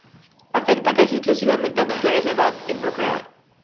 Afecta casi exclusivamente a mujeres en edad de procrear.